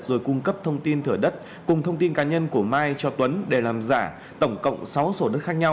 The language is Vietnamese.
rồi cung cấp thông tin thửa đất cùng thông tin cá nhân của mai cho tuấn để làm giả tổng cộng sáu sổ đất khác nhau